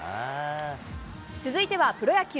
続いてはプロ野球。